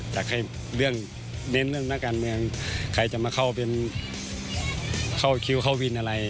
จากให้เน้นเรื่องการเมืองใครจะมาเข้าเวียนเข้าคิวเข้าวินอะไร